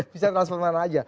bisa dalam sebuah mana aja